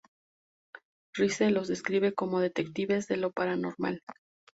Rice los describe como "Detectives de lo paranormal".